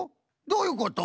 どういうこと？